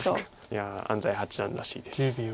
いや安斎八段らしいです。